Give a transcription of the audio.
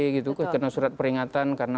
gitu kan kena surat peringatan karena